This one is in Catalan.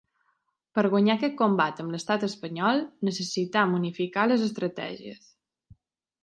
Per guanyar aquest combat amb l’estat espanyol necessitem unificar les estratègies.